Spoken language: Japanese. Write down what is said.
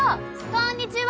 こんにちは。